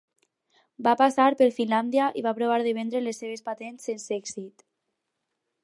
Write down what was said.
Va passar per Finlàndia i va provar de vendre les seves patents sense èxit.